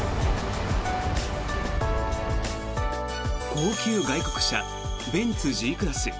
高級外国車ベンツ・Ｇクラス。